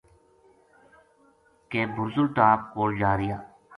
پنجی بھادرا نا کھاہری لوک ڈیرا پَٹ کے بُرزل ٹاپ کول جا رہیا